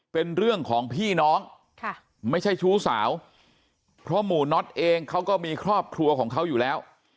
เป็นเรื่องของพี่น้องไม่ใช่ชู้สาวเพราะหมู่น็อตเองเขาก็มีครอบครัวของเขาอยู่แล้ว